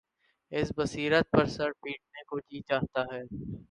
اس بصیرت پر سر پیٹنے کو جی چاہتا ہے۔